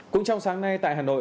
cũng trong sáng nay tại hà nội